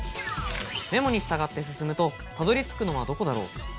メモに従って進むと辿り着くのはどこだろう？